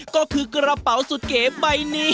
ก็คือกระเป๋าสุดเก๋ใบนี้